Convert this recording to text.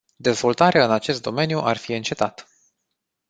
Dezvoltarea în acest domeniu ar fi încetat.